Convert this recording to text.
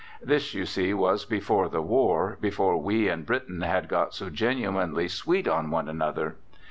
This, you see, was before the war, before we and Britain had got so genuinely sweet on one another.